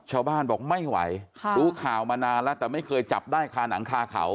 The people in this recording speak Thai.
ชาวบ้านบอกไม่ไหวรู้ข่าวมานานแล้วแต่ไม่เคยจับได้คาหนังคาเขา